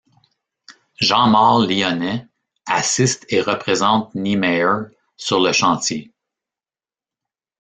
Jean-Maur Lyonnet assiste et représente Niemeyer sur le chantier.